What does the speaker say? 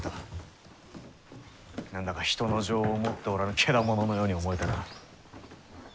何だか人の情を持っておらぬケダモノのように思えてな。